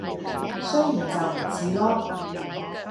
雖然就唔似囉